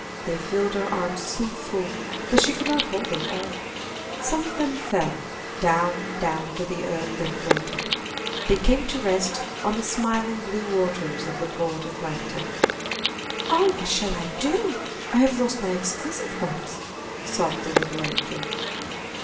They filled her arms so full that she could not hold them all. Some of them fell. Down, down to earth they floated. They came to rest on the smiling blue waters of the broad Atlantic. [Illustration: She could not hold them all] "Oh, what shall I do! I have lost my exquisite ones!" sobbed the little angel.